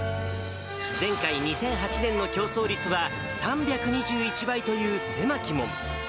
前回・２００８年の競争率は３２１倍という狭き門。